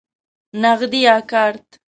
نغدی یا کارت؟